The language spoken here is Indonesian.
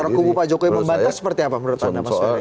cara kubu pak jokowi membantah seperti apa menurut anda pak soewe